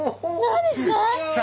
何ですか？